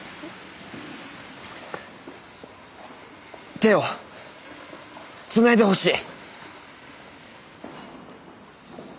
手をつないでほしい！